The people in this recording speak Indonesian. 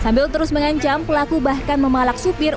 sambil terus mengancam pelaku bahkan memalak supir